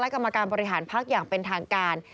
กรรมการบริหารพักอย่างเป็นทางการ